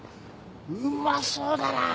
うまそうだな！